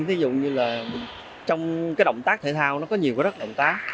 ví dụ như là trong động tác thể thao nó có nhiều các động tác